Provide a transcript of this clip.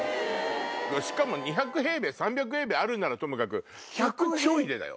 しかも２００平米３００平米あるんならともかく１００ちょいでだよ。